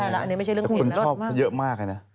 แต่คุณชอบเยอะมากเลยนะ